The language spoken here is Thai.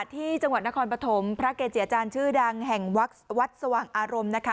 ที่จังหวัดนครปฐมพระเกจิอาจารย์ชื่อดังแห่งวัดสว่างอารมณ์นะคะ